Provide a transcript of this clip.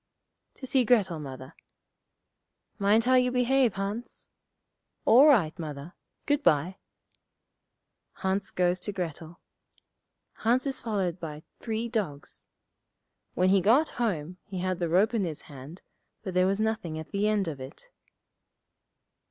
'To see Grettel, Mother.' 'Mind how you behave, Hans.' 'All right, Mother. Good bye.' Hans goes to Grettel. [Illustration: When he got home he had the rope in his hand, but there was nothing at the end of it.